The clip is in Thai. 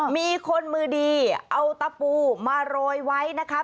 มีคนมือดีเอาตะปูมาโรยไว้นะคะ